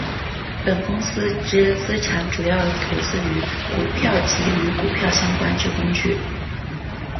本公司之资产主要投资于股票及与股票相关之工具。